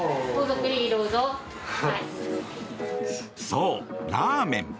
そう、ラーメン。